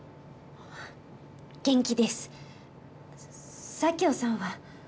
元気です佐京さんは？